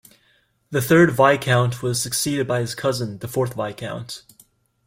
The third Viscount was succeeded by his cousin, the fourth Viscount.